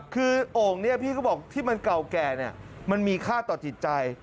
คือโอ่งนี้พี่ก็บอกที่มันเก่าแก่มันมีค่าต่อจิตใจ